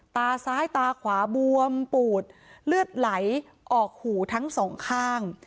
ตาซ้ายตาขวาบวมปูดเลือดไหลออกหูทั้งสองข้าง